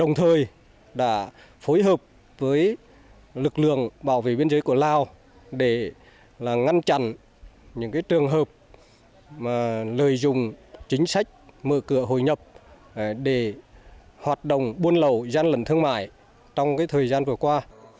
đồng thời đã phối hợp với lực lượng bảo vệ biên giới của lào để ngăn chặn những trường hợp lợi dụng chính sách mở cửa hội nhập để hoạt động buôn lậu gian lận thương mại trong thời gian vừa qua